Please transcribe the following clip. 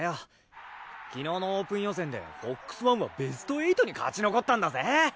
昨日のオープン予選でＦＯＸＯＮＥはベスト８に勝ち残ったんだぜ！